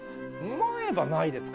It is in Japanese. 前歯ないですか？